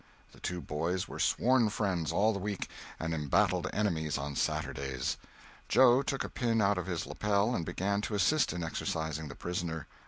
The two boys were sworn friends all the week, and embattled enemies on Saturdays. Joe took a pin out of his lapel and began to assist in exercising the prisoner.